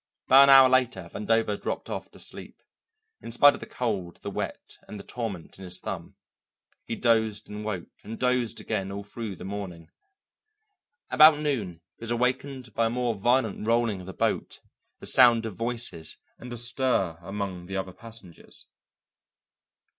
About an hour later Vandover dropped off to sleep, in spite of the cold, the wet, and the torment in his thumb. He dozed and woke, and dozed again all through the morning. About noon he was awakened by a more violent rolling of the boat, the sound of voices, and a stir among the other passengers.